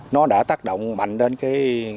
nó đã tác động mạnh đến cái